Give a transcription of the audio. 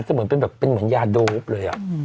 เหมือนเป็นแบบเป็นเหมือนยาโดปเลย